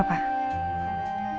ini apa pak